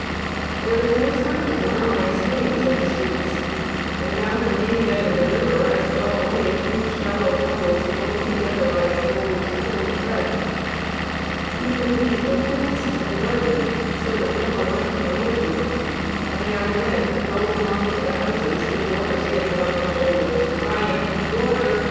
There was no sound of murmuring streams in the streets, and down the main bed of the river I saw only a few shallow puddles, joined together by a slowly trickling thread. Even these were fenced and guarded so that no one might come near to them, and there were men going among to the houses with water skins on their shoulders, crying "Water!